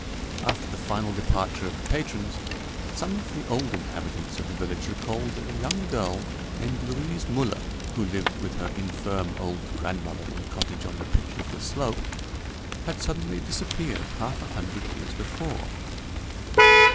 After the final departure of the patrons, some of the old inhabitants of the village recalled that a young girl named Louise Müller, who lived with her infirm old grandmother in a cottage on the pitch of the slope, had suddenly disappeared half a hundred years before.